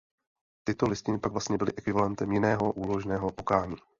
Tyto listiny pak vlastně byly ekvivalentem jiného uloženého pokání.